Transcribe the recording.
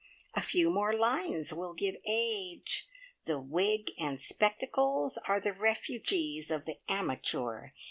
A few more lines will give age. The wig and spectacles are the refuges of the amateur.